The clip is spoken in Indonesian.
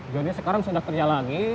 jodohnya sekarang sudah terjalangi